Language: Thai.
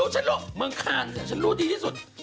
ฉันหรอกเมืองคานสิฉันรู้ดีที่สุด